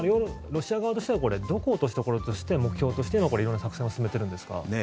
ロシア側としてはどこを落としどころとして目標としての色んな作戦を進めているんですか？